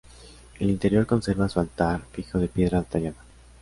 El interior conserva su altar fijo de piedra tallada.